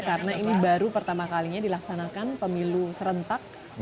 karena ini baru pertama kalinya dilaksanakan pemilu serentak